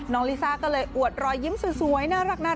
น้องลิซ่าก็เลยอวดรอยยิ้มสวยน่ารัก